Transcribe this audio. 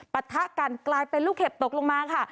ปะทะกันกลายเป็นลูกเห็บตกลงมาค่ะ